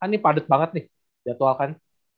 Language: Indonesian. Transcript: kan ini padat banget nih jadwal kan